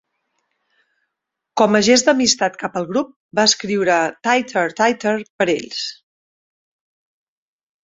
Com a gest d'amistat cap al grup, va escriure "Tighter, Tighter" per a ells.